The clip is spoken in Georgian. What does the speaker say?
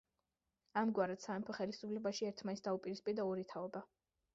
ამგვარად სამეფო ხელისუფლებაში ერთმანეთს დაუპირისპირდა ორი თაობა.